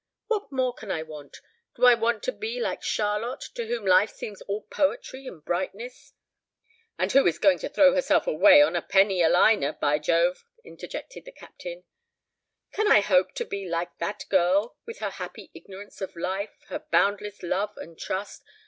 What more can I want? Do I want to be like Charlotte, to whom life seems all poetry and brightness?" "And who is going to throw herself away upon a penny a liner, by Jove!" interjected the Captain. "Can I hope to be like that girl, with her happy ignorance of life, her boundless love and trust!